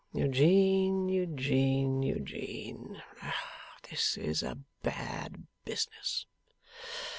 "Eugene, Eugene, Eugene, this is a bad business."